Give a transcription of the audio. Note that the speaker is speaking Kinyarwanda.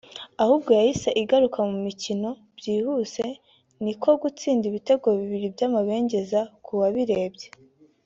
ahubwo yahise igaruka mu mikino byihuse ni ko gutsinda ibitego bibiri by’ amabengeza k’uwabirebye